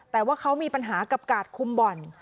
แต่ว่าเขามีปัญหากับกาดคุมบ่อน